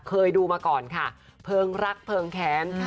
เคยดูมาก่อนค่ะเพลิงรักเพลิงแค้น